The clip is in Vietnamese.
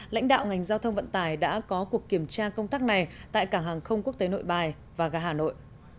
lãnh đạo ngành giao thông vận tải đã có cuộc kiểm tra công tác này tại cảng hàng không quốc tế nội bài và gà hà nội